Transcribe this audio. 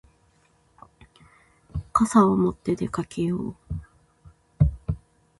傘を持って出かけよう。